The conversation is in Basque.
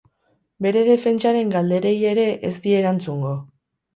Bere defentsaren galderei ere ez die erantzungo.